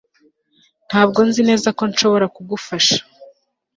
ntabwo nzi neza ko nshobora kugufasha